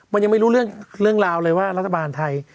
มันยังไม่รู้เรื่องราวเลยว่ารัฐบาลไทย